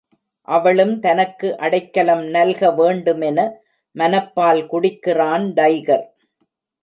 அவளும் தனக்கு அடைக்கலம் நல்க வேண்டுமென மனப்பால் குடிக்கிறான் டைகர்.